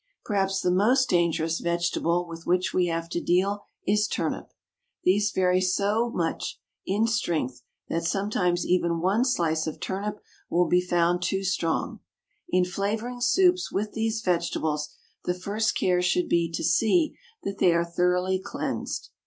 Perhaps the most dangerous vegetable with which we have to deal is turnip. These vary so very much in strength that sometimes even one slice of turnip will be found too strong. In flavouring soups with these vegetables, the first care should be to see that they are thoroughly cleansed.